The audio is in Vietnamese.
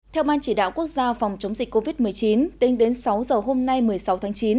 theo ban chỉ đạo quốc gia phòng chống dịch covid một mươi chín tính đến sáu giờ hôm nay một mươi sáu tháng chín